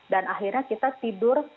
dan akhirnya kita tidur